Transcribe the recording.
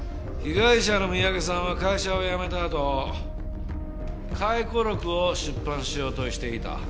被害者の三宅さんは会社を辞めたあと回顧録を出版しようとしていた。